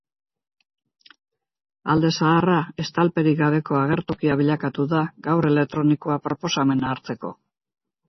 Alde zaharra estalperik gabeko agertokia bilakatuko da, gau elektronikoa proposamena hartzeko.